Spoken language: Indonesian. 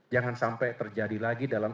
jangan sampai terjadi lagi dalam